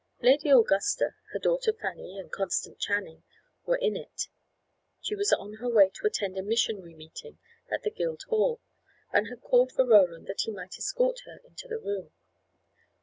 Lady Augusta, her daughter Fanny, and Constance Channing were in it. She was on her way to attend a missionary meeting at the Guildhall, and had called for Roland, that he might escort her into the room.